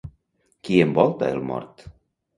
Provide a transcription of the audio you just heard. Qui envolta el mort?